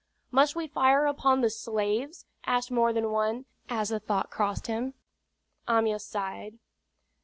"Must we fire upon the slaves?" asked more than one, as the thought crossed him. Amyas sighed.